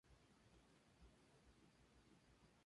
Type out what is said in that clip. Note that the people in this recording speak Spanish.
Juega como extremo por las bandas y Delantero centro.